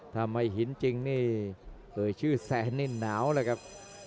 ทำไมหินจริงนี่เอ่ยชื่อแซนนี่หนาวเลยครับ